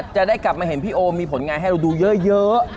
จะได้กลับมาเห็นพี่โอมีผลงานให้เราดูเยอะ